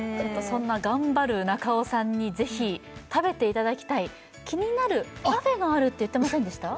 そんな頑張る中尾さんにぜひ食べていただきたい気になるパフェがあるって言ってませんでした？